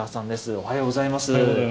おはようございます。